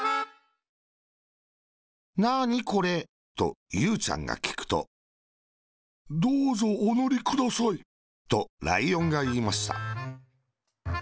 「なーに、これ？」とゆうちゃんがきくと、「どーぞ、おのりください。」とライオンがいいました。